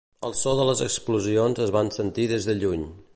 El so de les explosions es va sentir des de lluny.